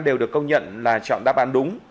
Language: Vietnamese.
đều được công nhận là chọn đáp án đúng